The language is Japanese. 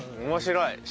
面白い！